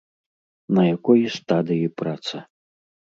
На якой стадыі праца?